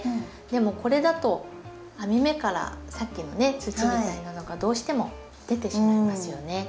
でもこれだと網目からさっきのね土みたいなのがどうしても出てしまいますよね。